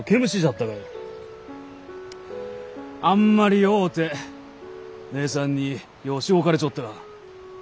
あんまり弱うて姉さんにようしごかれちょった。